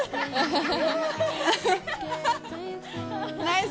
ハハハ！